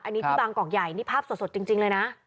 อันนี้ที่บางกอกใหญ่นี่ภาพสดจริงเลยนะ